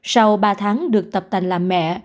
sau ba tháng được tập tành làm mẹ